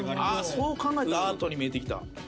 そう考えたらアートに見えてきた。